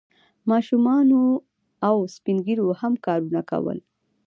ماشومانو او سپین ږیرو هم کارونه کول.